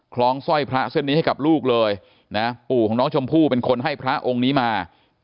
ล้องสร้อยพระเส้นนี้ให้กับลูกเลยนะปู่ของน้องชมพู่เป็นคนให้พระองค์นี้มา